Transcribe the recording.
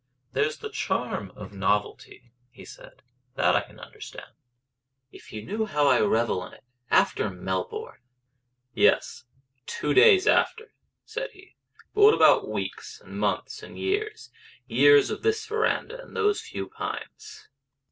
"There's the charm of novelty," he said. "That I can understand." "If you knew how I revel in it after Melbourne!" "Yes, two days after!" said he. "But what about weeks, and months, and years? Years of this verandah and those few pines!"